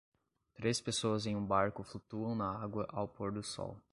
Três pessoas em um barco flutuam na água ao pôr do sol.